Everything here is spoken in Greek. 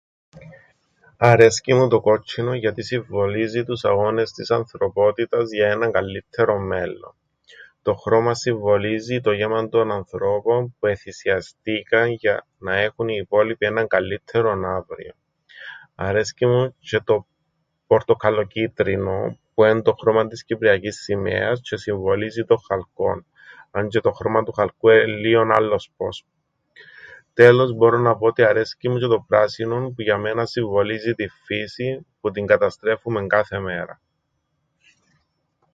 Αρέσκει μου το κότσ̆ινον γιατί συμβολίζει τους αγώνες της ανθρωπότητας για έναν καλλύττερον μέλλον. Το χρώμαν συμβολίζει το γαίμαν των ανθρώπων που εθυσιαστήκαν για να έχουν οι υπόλοιποι έναν καλλύττερον αύριον. Αρέσκει μου τζ̆αι το πορτοκαλλοκίτρινον, που εν' το χρώμαν της κυπριακής σημαίας τζ̆αι συμβολίζει τον χαλκόν, αν τζ̆αι το χρώμαν του χαλκού εν' λλίον άλλωσπως. Τέλος, μπορώ να πω ότι αρέσκει μου τζ̆αι το πράσινον που για 'μέναν συμβολίζει την φύσην που την καταστρέφουμεν κάθε μέρα.